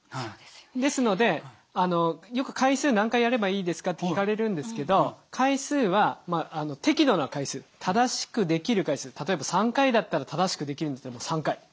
ですのでよく「回数何回やればいいですか？」って聞かれるんですけど回数は適度な回数正しくできる回数例えば３回だったら正しくできるんだったらもう３回。